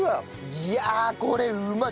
いやあこれうまい！